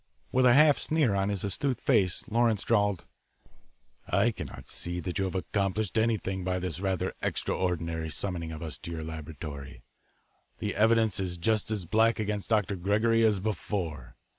With half a sneer on his astute face, Lawrence drawled: "I cannot see that you have accomplished anything by this rather extraordinary summoning of us to your laboratory. The evidence is just as black against Dr. Gregory as before.